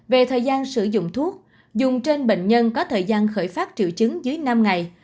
về thời gian sử dụng thuốc dùng trên bệnh nhân có thời gian khởi phát triệu chứng dưới năm ngày